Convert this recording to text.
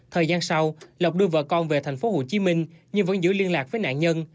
thời gian sau lộc đưa vợ con về tp hcm nhưng vẫn giữ liên lạc với nạn nhân